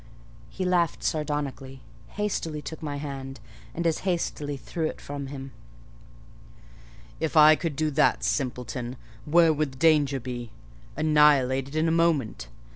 He laughed sardonically, hastily took my hand, and as hastily threw it from him. "If I could do that, simpleton, where would the danger be? Annihilated in a moment.